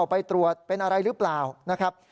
ไปตรวจเป็นอะไรหรือเปล่านะครับ